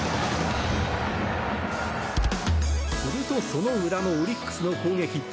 するとその裏のオリックスの攻撃。